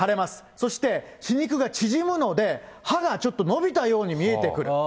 そして歯肉が縮むので、歯がちょっと伸びたように見えてくる。